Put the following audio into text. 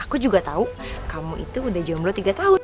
aku juga tahu kamu itu udah jomblo tiga tahun